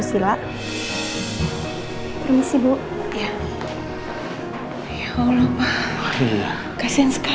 tante tolong kayak dapet